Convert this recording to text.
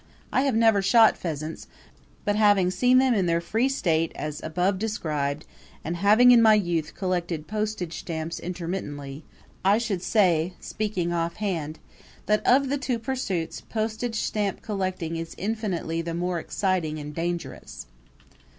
I have never shot pheasants; but, having seen them in their free state as above described, and having in my youth collected postage stamps intermittently, I should say, speaking offhand, that of the two pursuits postage stamp collecting is infinitely the more exciting and dangerous.